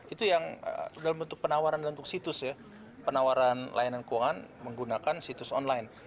itu yang dalam bentuk penawaran dalam bentuk situs ya penawaran layanan keuangan menggunakan situs online